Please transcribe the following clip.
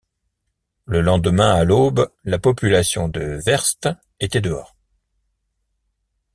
Le lendemain, à l’aube, la population de Werst était dehors.